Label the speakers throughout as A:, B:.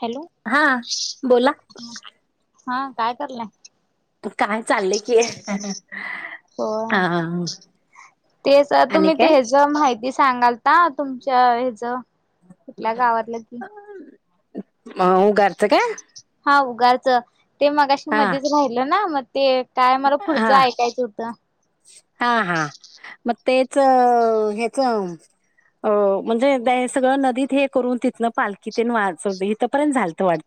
A: Hello,
B: हा बोला
A: हा. काय करलंय?
B: काय चाललंय की.
A: हो,
B: हा
A: तेच
B: आणि
A: तुम्ही ते
B: काय
A: हेज माहिती सांगाल ता तुमच्या हेच. कुठल्या गावातलं की
B: मं उगारच काय.
A: हा उगारच. ते मगाशी
B: हा
A: मध्येच राहिलं ना म ते. काय मला
B: हा
A: पुढच ऐकायचं होतं.
B: हा हा मग तेच ह्याच म्हणजे सगळं नदीत हे करून तिथनं पालखीत वाचव इथंपर्यंत झालतं वाटत.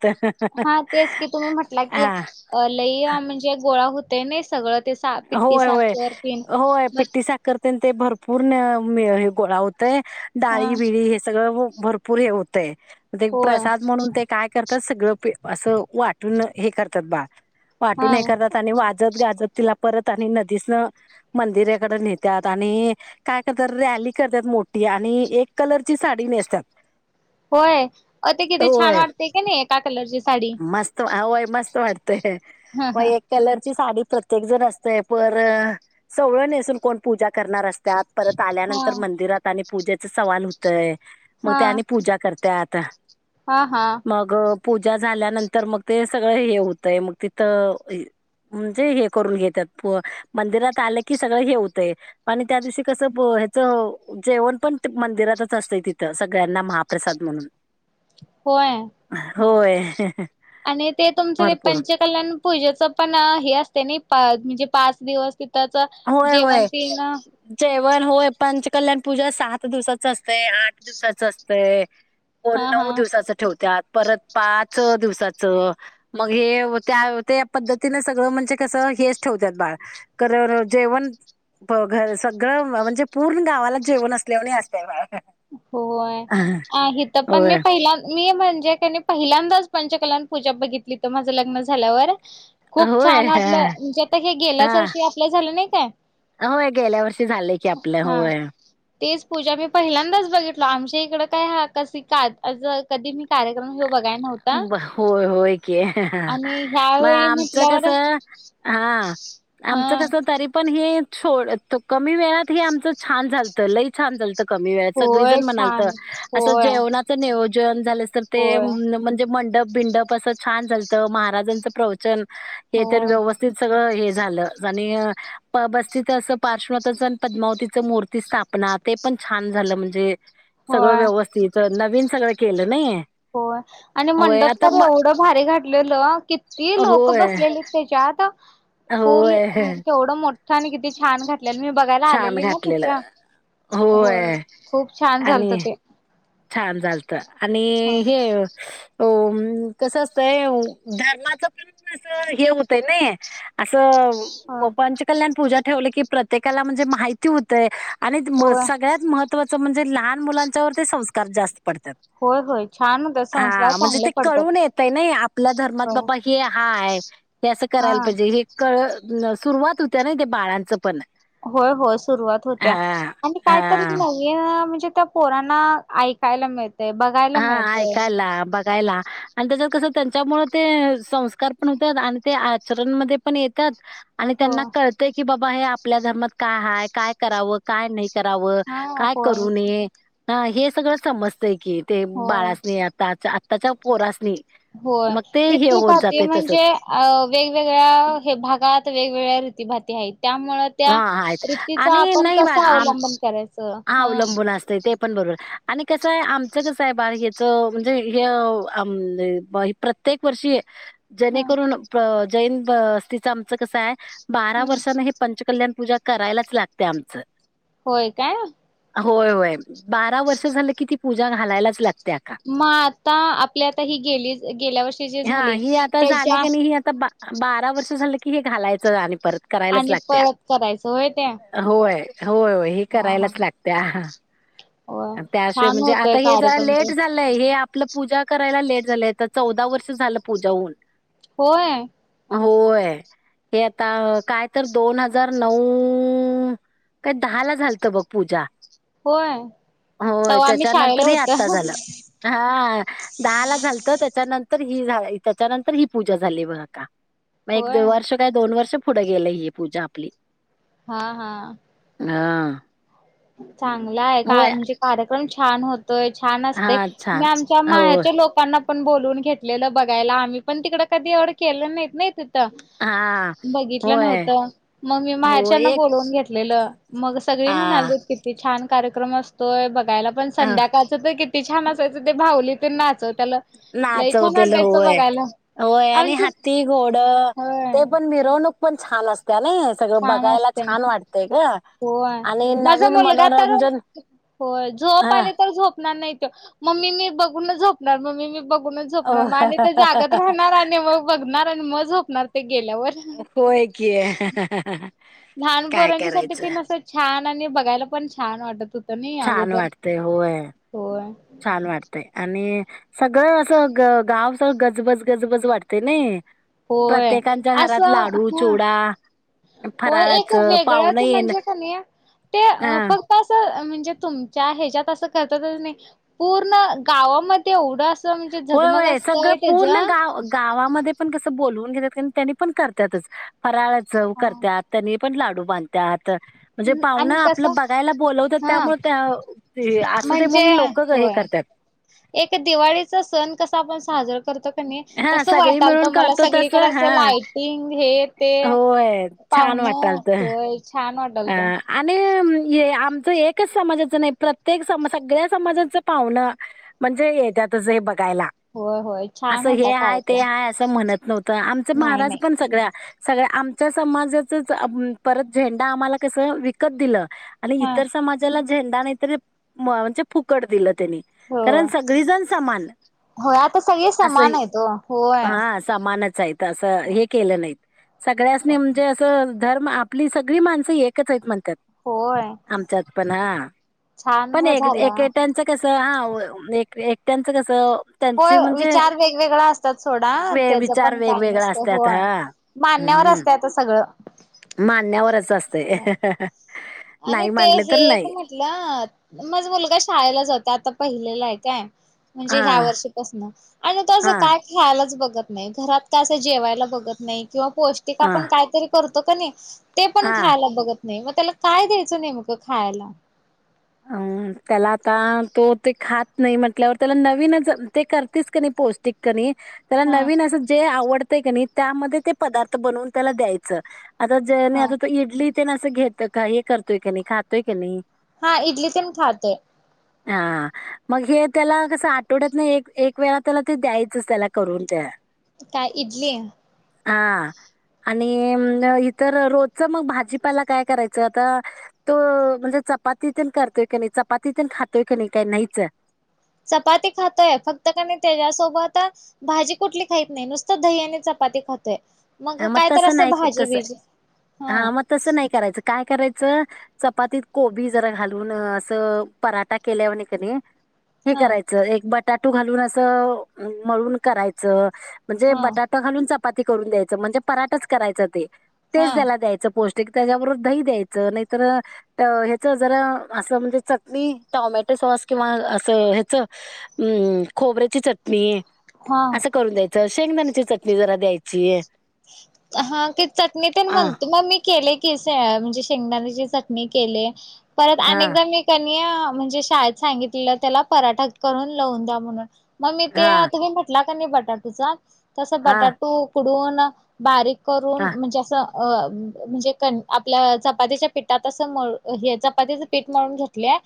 A: हा तेच की तुम्ही म्हटला की
B: हा
A: लई म्हणजे गोळा हो हूतनय सगळंच.
B: होय होय, होय
A: मग
B: पिट्टी साखर तेन भरपूर पूर्ण मेळ हे गोळा होतय,
A: हा
B: डाळी बिळी हे सगळं भरपूर हे होतय. ते
A: होय
B: प्रसाद म्हणून ते काय कर तर सगळं पी असं वाटून हे करतात बाळ.
A: हा
B: वाटून हे करतात आणि वाजत गाजत तिला परत आणि नदीसन मंदिराकडे नेतात आणि काय करतात रॅली करतात मोठी आणि एक कलरची साडी नेसत्यात.
A: होय अ ते किती छान वाटत कान्हीय एका कलरची साडी
B: मस्त आय मस्त वाटत. तय
A: ह
B: मग
A: ह
B: एक कलरची साडी प्रत्येक जण असतय पर सवळं नेसून कोण पूजा करणार असतात. परत
A: हा
B: आल्यानंतर मंदिरात आणि पूजेचा सवाल होतय मग
A: हा
B: ते आणि पूजा करतात
A: हा हा
B: मग पूजा झाल्यानंतर मग ते सगळं हे होतय मग तिथं म्हणजे हे करून घेतात मंदिरात आलं कि सगळ हे होतय आणि त्या दिवशी कसं हच जेवण पण मंदिरातच असतंय तिथं सगळ्यांना महाप्रसाद म्हणून
A: होय
B: होय ह ह
A: आणि ते तुमचं ते पंचकल्याण पूजेच पण हे असते ना म्हणजे पाच दिवस त्याच
B: होय होय
A: जेवण पिण
B: होय पंचकल्याण पूजा सात दिवसाच असते आठ दिवसाच असत
A: हा
B: नऊ
A: हा
B: दिवसाच ठेवतत परत पाच दिवसाचं मग हे त्या त्या पद्धतीने सगळं म्हणजे कस हेच ठेवत बाळ जेवण घर सगळं म्हणजे पूर्ण गावाला जेवण असल्यावर नाही असत बाळ
A: होय इथे पण मी
B: होय
A: पहिला मी म्हणजे कनी पहिल्यांदाच पंचकलान पूजा बघितली इथे माझं लग्न झाल्यावर खूप
B: होय
A: छान वाटलं म्हणजे आता हे
B: हा
A: गेल्याच वर्षी आपल्या झालं नाही काय
B: होय गेल्या वर्षी झालेय की आपलं
A: हा
B: होय
A: तेच पूजा मी पहिला आत्ताच बघितलं आमच्याकडे काय हा कस काय कधीपण कार्यक्रम बघाय नव्हता
B: होय होय
A: आणि
B: मग
A: ह्यावेेळी
B: आमचं
A: म्हटल्यावर
B: कस हा
A: हा
B: आमचं कस तरी पण हे छड कमी वेळात हे आमचं छान झालंत लई छान झालत कमी वेळात
A: होय
B: सगळीजण म्हनलत
A: छान
B: असं
A: होय.
B: जेवणाच नियोजन झाल असतं ते
A: होय
B: पण मंडप बिंडप असं छान झालतं महाराजांचं प्रवचन हे तर
A: होय
B: व्यवस्थित सगळं हे झालं आणि बस्तीच अस पार्श्वथण पद्मावतीच मूर्ती स्थापना ते पण छान झालं म्हणजे सगळं
A: होय
B: व्यवस्थित नवीन सगळं केलं नाही
A: हो आणि
B: होय
A: मंडप
B: आता
A: तर
B: म-
A: एवढं भारी घातलेलं किती लोक
B: होय,
A: बसलेली त्याच्यात फूर
B: होय.
A: केवढं किती छान [unintelligible] मी बघायला
B: छान
A: आलेली ना
B: घातलेलं.
A: तिथं? होय. खूप छान झालंत
B: आणि
A: ते.
B: छान झालतं आणि
A: ह
B: [unintelligible] हे हो कसं असतंय धर्माचं पण असं हे हुतय नाई असं
A: ह
B: प पंचकल्याण पूजा ठेवलं की प्र एकेकाला म्हणजे माहिती होतंय. आणि द म
A: होय
B: सगळ्यात महत्त्वाचं म्हण जे लहान मुलांच्यावरती सं स्कार जास्त पडत्यात
A: होय होय छान होत संस्कार
B: हां म्हणजे
A: चांगले
B: ते कळून
A: पडतात
B: येतंय नाही आपल्या धर्मात
A: होय
B: बाबा हे हाय हे असं
A: हा
B: करायला पाहिजे हे कळ ल सुरुवात होत्या ना त्या बाळांचं पण?
A: होय होय सुरुवात होत्या
B: हा
A: आणि कायतरी
B: हा.
A: नव्या तिथ पोरांना ऐकायला मिळ
B: हा ऐकायला, बघायला. आणि त्याच्यात कसं त्यांच्यामुळे ते संस्कार पण होतात, आणि ते आचरणमध्ये पण येत्यात. आणि
A: हो
B: त्यांना कळतय की बाबा हे आपल्या धर्मात काय हाय, काय करावं, काय नाही कराव,
A: हा
B: काय
A: होय
B: करू नये हा हे सगळं समजतं की ते
A: होय
B: बाळासनी आताच्या त्याच्या पोरासनी
A: होय
B: मग ते हे होत
A: रीती-भाती
B: जाते
A: म्हणजे
B: तसंच.
A: वेगवेगळ्या भागात, वेगवेगळ्या रीती-भाती आहेत त्यामुळं त्या
B: हां, आहेत
A: रीतीच
B: आणि
A: आपण
B: नाही
A: कस
B: बा आम
A: अवलंबन करायचं
B: हां,
A: हा
B: अवलंबून असतंय ते पण बरोबर आणि कसं आहे आमचं कसं आहे बाळ हेच म्हणजे हे प्रत्येक वर्षी
A: ह
B: जेणेकरून प्रते जैन बस्तिच आमचं कसं आहे बारा वर्षांत हे कल्याण पूजा करायलाच लागते आमच, [inaudible]
A: होय काय [inaudible]
B: होय होय, बारा वर्ष झालं कि ती पूजा घालालाच लागते. अक्का.
A: मग आता आपली ही गेल्या वर्षी जी झाली त्याच्या
B: बारा वर्ष झालं की हे घालायचं आणि परत करायलाच
A: आणि
B: लागत
A: परत करायचं होय ते
B: होय होय हे
A: हा हा
B: करायलाच लागतेय हा
A: होय
B: त्याशिवाय
A: छान
B: म्हणजे आता
A: होतय
B: हे जरा
A: कार्यक्रम ते
B: लेट झालंय हे आपलं पूजा करायला लेट झाले चौदा वर्ष झालं पूजाहून
A: होय
B: होय हे आता काय तर दोन हजार नऊ काय दहा ला झालत बघ पूजा
A: होय
B: होय
A: तवा आम्ही शाळेला
B: त्याच्यानंतर ह आता झालं
A: होत
B: हा दहा ला झालत त्याच्यानंतर तर ही झा त्याच्यानंतर ही पूजा झाली बघ का मग एक
A: होय
B: वर्ष काय दोन वर्ष पुढं गेलं ह पूजा आपली
A: हा हा
B: हां
A: चांगलं आहे का म्हणजे कार्यक्रम छान होत छान
B: हा
A: असते मी
B: छान
A: आमच्या
B: हो
A: माहे्याच्या लोकांना पण बोलून घेतलेलं बघयला आम्ही पण तिकडं कधी एवढ केलं नाहीत नाही
B: हा
A: बघितलं
B: होय
A: नव्हत मग मी
B: हो
A: माहे्याच्याना
B: एक
A: बोलवून घेतलेलं मग सगळी
B: आ
A: म्हणाली छान कार्यक्रम असतोय घयला पण संध्याकाळचं तर त छान असायं ते भावली तर नाचव त्याला लई छान
B: नाचवतेलं
A: वाटायचं
B: होय
A: बघायला
B: होय आणि
A: आमच
B: हाती घोड
A: होय
B: ते पण मिरवणूक पण छान असत त्या नाही सगळं
A: छान
B: बघायला
A: असते
B: छान वाटतय का
A: होय
B: आणि
A: माझा
B: नवीन
A: मुलगा तर
B: मनोरंजन ह
A: णार नाही मम्मी मी बघून झोपणार मम्मी मी बघ झणार आणि ते जागात राहणार आणि मग बघणार मज होतणार ते गेल्यावर.
B: होय कि
A: लहानपर्यंत सध पी नसत छान बघायला पण छान वाटत होतं नाही
B: छान
A: अगोदर.
B: वाटतय होय
A: होय.
B: छान वाटतय आणि सगळं असं ग गाव कसं गजबज गजबज वाटते नाही.
A: होय.
B: प्रत्येकांच्या घरात
A: असं
B: लाडू
A: ह
B: चिवडा
A: होय एक
B: फराळाचं पाहुणं
A: वेगळंच
B: येण
A: म्हणजे कणी ते
B: अ
A: फक्त असं म्हणजे, तुमच्या ह्याच्यात असं करत्यातच नाही पूर्ण गावामध्ये एवढं असं म्हणजे
B: होय
A: झगमग
B: होय सगळं
A: असतंय त्याच
B: पूर्ण गाव गावामध्ये पण कस बोलवून घेत्यात त्यांनी पण करत्यातच फराळा सर्व करत्यात त्यानी पण लाडू बांधत्यात म्हणजे पाहुना
A: आणि कसं
B: आपलं बघायला बोलवत
A: हा
B: त्यामुळे असू दे
A: म्हणजे
B: म्हणून लोक हे
A: होय
B: करतात.
A: कस आपण साजरा करतो. कनी
B: हां,
A: तसं
B: सगळी
A: वाटालत
B: मिळून
A: मला
B: करतो तसं
A: सगळीकडं असं
B: हां.
A: लाईटिंग हे ते
B: होय,
A: पाव्हण होय छान
B: हा
A: वाटालत
B: आणि हे आमच एकच समाजाच नाही. प्रत्येक सगळ्या समाजाच पाव्हण म्हणजे येत्यातच हे बघा यला
A: होय होय छान
B: असं
A: होता
B: हे हाय ते
A: कार्यक्रम
B: हाय असं म्हणत नव्हतं आमच
A: नाही
B: महाराज
A: नाही
B: पण सगळ्या सगळ्या आमच्या समाजाचच परत आम्हाला कसं विकत दिलं. आणि
A: हा
B: इतर समाजाला झेंडा नाहीतरी म्हणजे फुकट दिलं त्यांनी
A: हो
B: कारण सगळी जण समान
A: होय आता सगळे
B: असं
A: समान आहेत ओ होय
B: हे केलं नाहीत. सगळ्यांसनी म्हणजे असं धर्म आपली सग ळी माणस एकच आहेत म्हण त्यात
A: होय
B: आमच्यात पण हं.
A: छान
B: पण एक
A: झालं
B: एकेकट्याच कसं हा. होय एकेकट्याच कसं
A: होय
B: त्यांची म्हणजे
A: विचार वेगवेगळा असतात. सोडा
B: वे
A: त्याचं
B: विचार
A: पण काय
B: वेगवेगळा
A: नसत
B: असतात
A: होय.
B: हा
A: मानण्यावर
B: हम्म
A: असत आता सगळं
B: असच असतय,
A: आणि ते हे एक म्हटलं माझ मुलगा शाळेला जातोय. आता पहिलीला आहे. काय म्हणजे
B: हा
A: ह्या वर्षीपासन आणि त्याचं
B: हा
A: काय खेळायलाच बघत नाही घरात का असं जेवायला बघत नाही. किंवा पौष्टिक
B: हा
A: आपण काहीतरी करतो. तो कणी ते पण
B: हा
A: खायला बघत नाही. मग त्याला काय द्यायचं नेमकं खायाला
B: अ त्याला आता तो ते खात नाही म्हटल्यावर, त्याला नवीनच ते करतेच क नाही पौष्टिक कणी त्याला
A: हा
B: नवीन असं जे आवड तय कनी त्यामध्ये ते पदार्थ बनवून त्याला द्यायचं. आता जे नि
A: हा
B: आता इडली तेन असं घेत का हे करतोय कणी, खातोय कणी.
A: हा इडली तेन खातोय.
B: हा मग हे त्याला कसं आठवड्यातन एक एक वेळा त्याला द्यायचंच करून त्या.
A: काय इडली?
B: हा, आणि इतर रोजच मग भाजीपाला काय करायचं. आता तो च चपातीतेन करतोय की नाही, चपातीतेन खातोय कणी काय नईच?
A: चपाती खातोय. फक्त कणी त्याच्यासोबत भाजी कुठली खइत नई. नुसतं दही आणि चपाती खातोय.
B: ह मग
A: काय तर
B: तसं
A: असं
B: नाही
A: भाजी
B: तस
A: बिजी
B: हा मग तसं नाही करायचं काय कराय च चपातीत कोबी जरा घालून अस पराठा केल्यावनि कणी हे
A: हा
B: करायचं. एक बट टाटू घालून असं मळून करायचं. म्हणजे
A: हा
B: बटाटा घालून च चपाती करून द्या म्हणजे पराठच करायंच ते. तेच
A: हा
B: त्याला द्यायचं पो ष्टिक त्याच्याबरोबर दही द्यायचं. नाहीतर ह्याच जरा अस म्हणजे चटणी, टॉमॅटो सॉस किंवा असं ह्याच खोबऱ्याची चटणी.
A: हा.
B: असं करून द्यायचं. शेंगदाण्याची चटणी जरा द्यायची.
A: हा की चटणी तेन
B: आ
A: म्हणतो मग मी केले की शे म्हणजे शेंगदाण्याची चटणी केले. परत
B: हा
A: अनेकदा मी कर मी म्हणजे शाळेत सांगितलेलं त्याला पराठा करून लवून द्या म्हणून. मग मी ते
B: हा
A: तुम्ही म्हटला कणी ब टाटूचा तस
B: हा
A: बटाटू उकडून ह. बारीक करून
B: हा
A: म्हणजे असं अ म्हणजे क आपल्या चपातीच्या पीठात असं मळून हे चपातीचं पीठ मळून घेतल्या.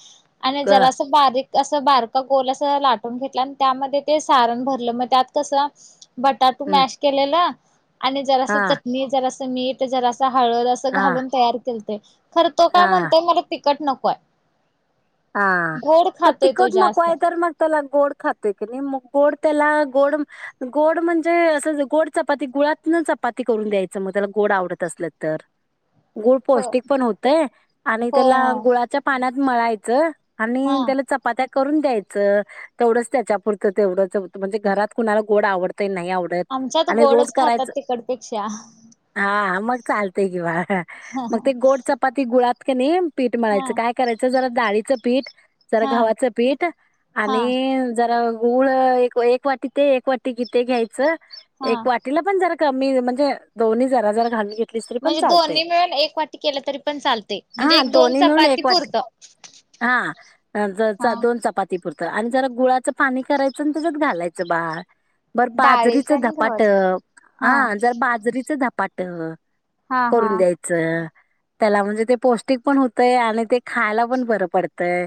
A: आणि
B: क
A: जरा असं बारीक असं बारका गोल अस लाटून घेतलं, आणि त्यामध्ये ते सारण भरलं. मग त्यात कसं बटाटू
B: हं,
A: मॅश केलेल. आणि जर
B: हा
A: असं चटणी जर अस मीठ जरा हळद असं
B: हा
A: घालून तयार केल ते कररतो का
B: हा
A: म्हणतो मला ते कट नकोय.
B: हा
A: गोड
B: म
A: खातोय तो
B: तिकट मकवा
A: जास्त
B: वायतार मगतला गोड खातक निम मुग गोड त्याला गोड गोड म्हणजे असं गोड चपाती गुळातन चपाती करून द्यायचं मग त्याला गोड आवडत असलं तर. गुळ
A: हो
B: पौष्टिक पण होतय आणि
A: होय
B: त्याला
A: हा
B: गुळाच्या पाण्यात मला येत जर.
A: हा
B: आणि त्याला चपात्या करून द्यायचं तेवढंच त्याच्यापुरतं तेवढ म्हणजे घरात कुणाला गोड आवडत नाही आवडत
A: आमच्यात
B: आणि रोज
A: गोडच खातात
B: करायच
A: तिकडपेक्षा
B: हा मग चालत किं
A: हा
B: मग ते गोड चपाती गु कनी पीठ
A: हा
B: मळायचं काय करायचं जरा डाळीचं पीठ जरा
A: हा
B: घव्हाचं पीठ आणि जरा गूळ एक एक वाटी ते एक वाटी किथ घ्यायचं.
A: हा
B: एक वाटीला पण जरा कमी म्हणजे दोन्ही जरा जर घालून घेत
A: म्हणजे दोन्ही मिळून एक वाटी केलं तरी पण चालते म्हणजे एक दोन चपाती पुरतं.
B: हा दोन चपाती पुरत आणि जरा गुळाचं पाणी करायचं आणि त्याच्यात घालायचं बार बर बाजरीच
A: डाळीच आणि
B: धपाट
A: गव्हाच
B: हा जर बाजरीच ध पाट.
A: हा हा
B: करून द्यायचं. त्याला म्हणजे ते पौष्टिक पण होतंय आणि ते खायला पण बर पडतंय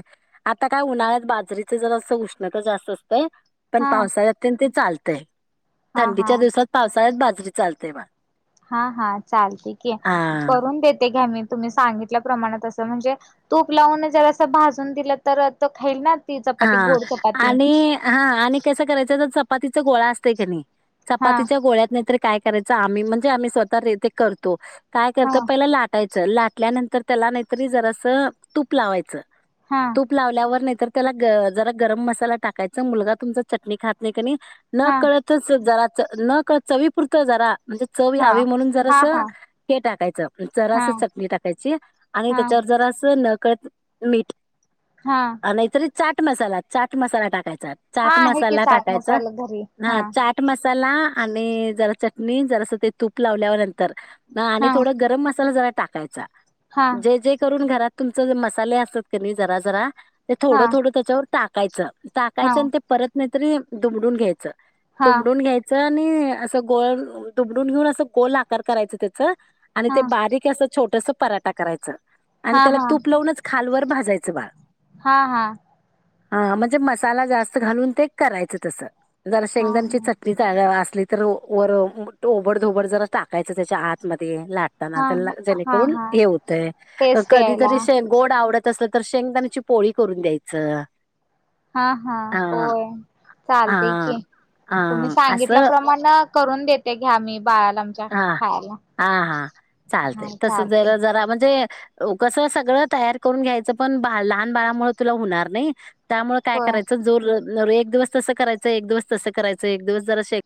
B: आता काय उन्हाळ्यात बाजरीच जर अस उष्णता जास्त असत पण
A: हा
B: पावसाळ्यात ते चालत ते
A: हा हा
B: थंडीच्या दिवसात पावसाळ्यात बाजरी लते बा.
A: हा हा चालतय की
B: हा
A: करून देते घ्या मी. तुम्ही सांगितल्या प्रमाणात असं म्हणजे तूप लावून जर असं भाजून दिलं तर तो खाईल ना. ती चपाती
B: हा
A: गोड चपाती
B: आणि हा आणि कसं करायचं तर तीचा गोळा असतय किणी.
A: हा
B: चपातीच्या गोळ्यात नाहीतर काय करायच आम्ही म्हणजे आम्ही स्वतः रे तेे करतो. काय करतं
A: हा
B: पहिला लाटायचं. च लाटल्यानंतर त्याला नाहीतरी जरासं तूप लावायचं.
A: हा
B: तूप लावल्यावर नाही. त्याला ग जरा गरम मसाला टाकायचा मुलगा तुमचा चटणी खात नाही कणी न
A: हा
B: कळतच जरा न कळत चवी पुरतं जरा म्हणजे चव
A: हा
B: यावी म्हणून
A: हा
B: जरास
A: हा
B: हे टाकायचं जरास
A: हा
B: चटणी टाकायची आणि
A: हा
B: त्याच्यावर जरास न क मीठ
A: हा
B: अ नाहीतरी चाट मसाला चाट मसाला टाकायचा.
A: हा
B: चाट
A: आहे की
B: मसाला
A: चाट
B: टाकायचा
A: मसाला घरी
B: हा चाट मसाला आणि जरा चटणी नि जर असं ते तूप लावल्या नंतर नंतर आणि
A: हा
B: थोडा गरम मसाला झा टाकायचा.
A: हा
B: जे जे करून घरात तुमचे जे मसाले असतात की नाही जरा जरा ते थोड
A: हा
B: थोडं त्याच्यावर टा कायच.
A: हा
B: टाकायचं आणि ते परत नाही तरी दुमडून घ्यायचं.
A: हा
B: दुमडून घ्यायचं. हं. अस गोल दुमडून घेऊन अस गोल आकार करायच त्या आणि ते
A: हा
B: बारीक असं छोटस पराठा करायचा. च
A: हा हा
B: त्याला
A: हा
B: तूप लावून खालवर भाजायचा. जायचं बाळ
A: हा हा
B: हा म्हणजे मसाला जास्त घालून ते करायचं तसं जरा
A: हा
B: शेंगदाण्याची द्यावी चटणी असली तर वर ओबड धोबड जरा टाकायचं त्याच्या आतमध्ये लाताना
A: हा हा
B: जेणेकरून
A: हा
B: हे होतय
A: टेस्ट यायला
B: कधीतरी शे. गोड आवडत तसं तर शेंगदाण्याची पोळी करून द्यायचं
A: हा हा होय
B: हा
A: चालतय की
B: हा
A: तुम्ही
B: असं
A: सांगितल्याप्रमाणं करून देते घ्या मी बाळाला आमच्या
B: हा
A: खायला
B: हा हा चालत
A: हा
B: तस ज
A: चालते
B: जरा म्हणजे कस सगळं तयार करून घ्यायचं पण बा लहान बाळामुळे तुला होणार नाही त्यामुळे काय
A: होय
B: करायचं जोर न एक दिवस तस कयं एक दिवस तसं करायच एक दिवस जरा शे